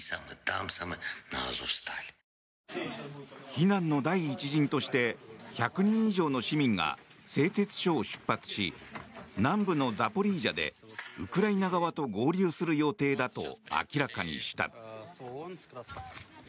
避難の第１陣として１００人以上の市民が製鉄所を出発し南部のザポリージャでウクライナ側と合流する予定だと明らかにした。